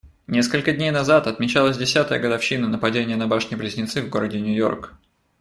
Несколько дней назад отмечалась десятая годовщина нападения на башни-близнецы в городе Нью-Йорк.